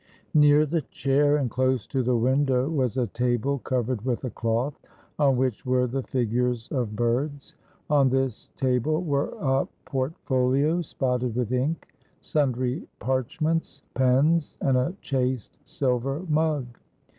Near the chair and close to the window was a table covered with a cloth, on which were the figures of birds. On this table were a portfolio spotted with ink, sundry parch ments, pens, and a chased silver mug.